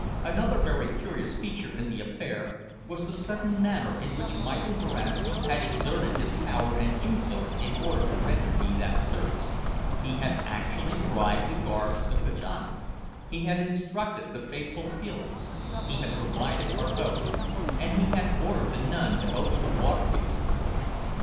Another very curious feature in the affair was the sudden manner in which Michael Boranski had exerted his power and influence in order to render me that service. He had actually bribed the guards of Kajana; he had instructed the faithful Felix, he had provided our boat, and he had ordered the nun to open the water gate to me.